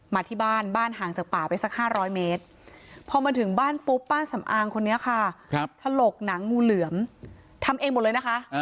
มาที่บ้านบ้านห่างจากป่าไปสัก๕๐๐เมตรพอมาถึงบ้านปุ๊บป้าสำอางคนนี้ค่ะถลกหนังงูเหลือมทำเองหมดเลยนะคะ